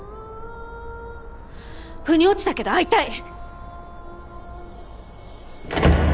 腑に落ちたけど会いたい！